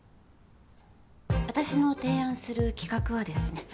私の提案する企画はですね。